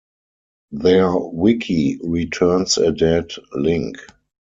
Their Wiki returns a dead link.